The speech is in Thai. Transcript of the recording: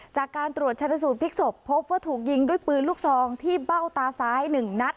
จากการตรวจชนสูตรพลิกศพพบว่าถูกยิงด้วยปืนลูกซองที่เบ้าตาซ้าย๑นัด